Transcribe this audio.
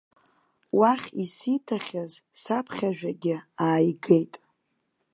Уахь исҭихьаз саԥхьажәагьы ааигеит.